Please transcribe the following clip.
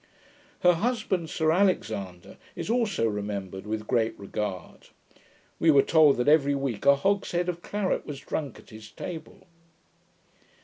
Her husband, Sir Alexander, is also remembered with great regard. We were told that every week a hogshead of claret was drunk at his table.